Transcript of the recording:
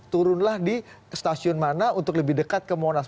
turunlah di stasiun mana untuk lebih dekat ke monas